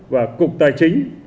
và cục tài chính